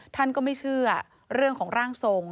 ท่านก็ไม่เชื่อเรื่องของร่างทรง